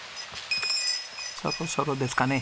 そろそろですかね。